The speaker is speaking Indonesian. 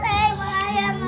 ayah ayah enggak mau